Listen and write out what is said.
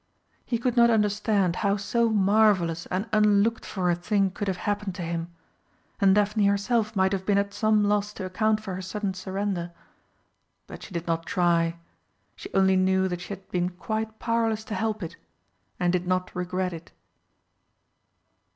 He could not understand how so marvellous and unlooked for a thing could have happened to him, and Daphne herself might have been at some loss to account for her sudden surrender. But she did not try she only knew that she had been quite powerless to help it, and did not regret it.